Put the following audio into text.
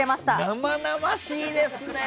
生々しいですね！